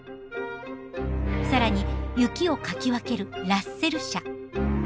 更に雪をかき分けるラッセル車。